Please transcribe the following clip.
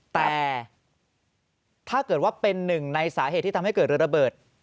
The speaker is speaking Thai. แต่ถ้าเกิดว่าเป็นหนึ่งในสาเหตุที่ทำให้เกิดระเบิด